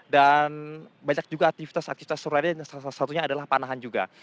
dan banyak juga aktivitas aktivitas yang salah satunya adalah panahan juga